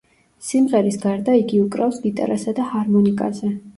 სიმღერის გარდა იგი უკრავს გიტარასა და ჰარმონიკაზე.